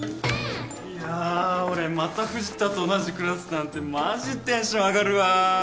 いや俺また藤田と同じクラスなんてマジテンション上がるわ。